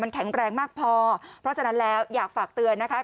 แข็งแรงมากพอเพราะฉะนั้นแล้วอยากฝากเตือนนะคะ